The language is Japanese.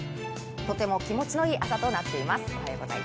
とても気持ちのいい朝になっています。